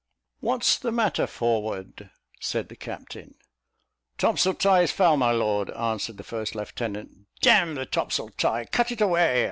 "What's the matter forward?" said the captain. "Topsail tie is foul, my lord," answered the first lieutenant. "D n the topsail tie! cut it away.